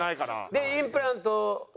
でインプラントは。